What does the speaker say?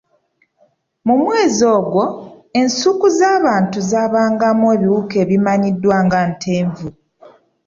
Mu mwezi ogwo, ensuku z'abantu zaabangamu ebiwuka ebimanyiddwa nga Ntenvu.